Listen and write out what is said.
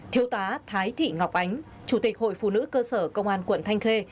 thiếu tá thái thị ngọc ánh chủ tịch hội phụ nữ cơ sở công an quận thanh khê